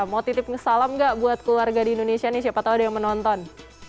mau titipin salam gak buat keluarga di indonesia nih siapa tau ada yang menonton